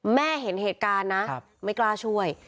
เห็นเหตุการณ์นะไม่กล้าช่วย